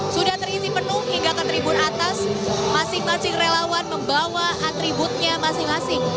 sudah terisi penuh hingga ke tribun atas masing masing relawan membawa atributnya masing masing